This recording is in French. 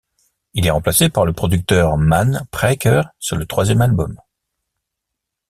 Il est remplacé par le producteur Manne Praeker sur le troisième album.